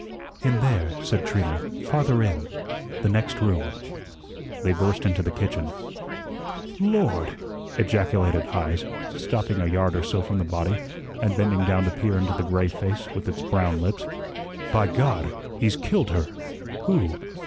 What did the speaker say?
"In there," said Trina, "farther in the next room." They burst into the kitchen. "LORD!" ejaculated Heise, stopping a yard or so from the body, and bending down to peer into the gray face with its brown lips. "By God! he's killed her." "Who?"